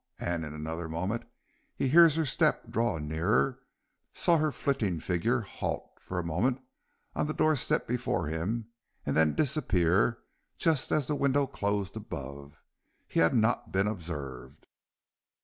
And in another moment he heard her step draw nearer, saw her flitting figure halt for a moment on the door step before him and then disappear just as the window closed above. He had not been observed.